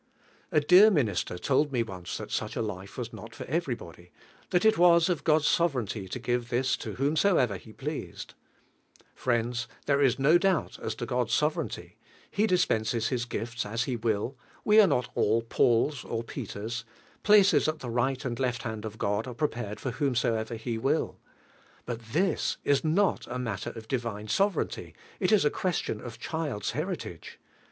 A dear minister told" me once that sueh a life was not for everybody, that it was of God's sovereignty to give this to whomsoever lie pleased, Priends, there is no doubt as to God's sovereignty. He dispenses His gifts us He will; we are DTVTHE 11EAI.INO. ID.". not all ranis or Peters; places at the right und left hand of God are prepared for whomsoever He will. But this is not a matter of Divine sovereignty, it is a question of child's heritage.